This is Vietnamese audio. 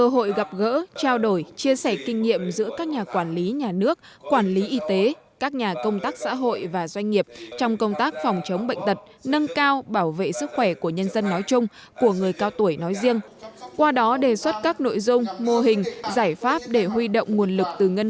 hội giáo dục chăm sóc sức khỏe cộng đồng việt nam